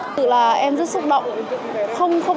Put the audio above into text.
thực sự là em rất xúc động